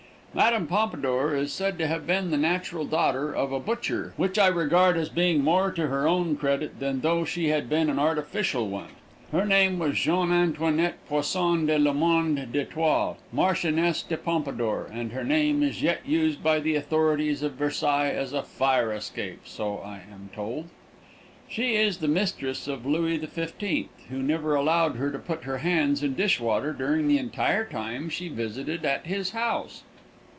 Mme. Pompadour is said to have been the natural daughter of a butcher, which I regard as being more to her own credit than though she had been an artificial one. Her name was Jeanne Antoinette Poisson Le Normand d'Etioles, Marchioness de Pompadour, and her name is yet used by the authorities of Versailles as a fire escape, so I am told. She was the mistress of Louis XV, who never allowed her to put her hands in dishwater during the entire time she visited at his house.